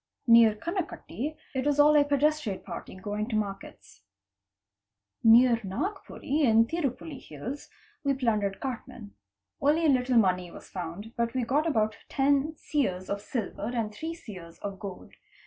Near Kanakutti it was all a pedestrian party going to markets. Near Najpuri in Tirupulli hills we plundered cartmen. Only a little money was found, but we got about ten seers of silver and three seers of gold.